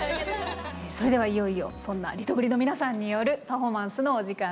それではいよいよそんなリトグリの皆さんによるパフォーマンスのお時間です。